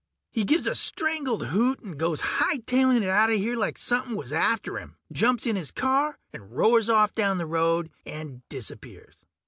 He gives a strangled hoot and goes hightailin' outta here like somepin' was after him. Jumps in his car and roars off down the road and disappears.